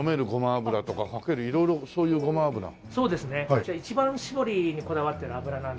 うちは一番搾りにこだわってる油なんですけれども。